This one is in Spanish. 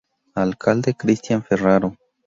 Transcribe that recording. Alcalde Cristian Ferraro